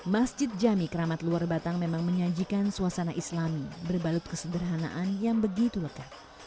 masjid jami keramat luar batang memang menyajikan suasana islami berbalut kesederhanaan yang begitu lekat